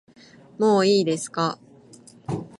もういいですか